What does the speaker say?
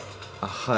はい。